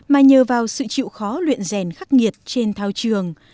mà nhờ vào sự chịu khó luyện rèn khắc nghiệt trên thao trường